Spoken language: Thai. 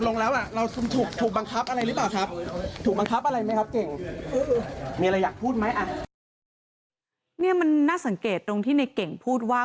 นี่มันน่าสังเกตตรงที่ในเก่งพูดว่า